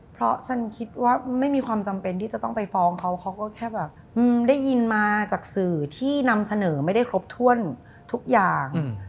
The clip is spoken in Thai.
เพราะฉันคิดว่าไม่มีความจำเป็นที่จะต้องไปฟ้องเขาเขาก็แค่แบบได้ยินมาจากสื่อที่นำเสนอไม่ได้ครบถ้วนทุกอย่าง